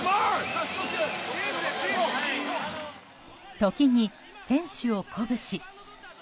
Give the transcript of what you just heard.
時に選手を鼓舞し。